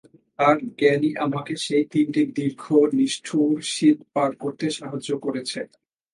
তার জ্ঞানই আমাকে সেই তিনটি দীর্ঘ, নিষ্ঠুর শীত পার করতে সাহায্য করেছে।